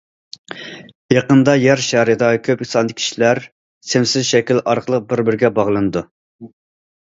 يېقىندا يەر شارىدا كۆپ ساندىكى كىشىلەر سىمسىز شەكىل ئارقىلىق بىر- بىرىگە باغلىنىدۇ.